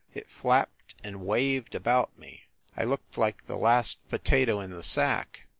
It flapped and waved about me. " I looked like the last potato in the sack.